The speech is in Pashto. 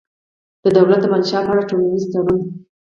د دولت د منشا په اړه ټولنیز تړون